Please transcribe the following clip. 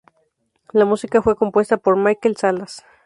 La música fue compuesta por Mikel Salas.